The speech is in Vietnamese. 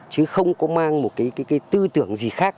chứ không có mang một cái tư tưởng gì khác